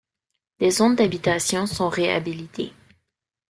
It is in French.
Des zones d'habitation sont réhabilitées.